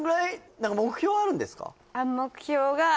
何か目標あるんですか？